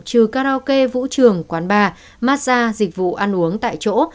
trừ karaoke vũ trường quán bar massage dịch vụ ăn uống tại chỗ